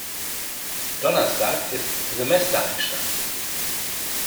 Donnerstag ist Semestereinstand.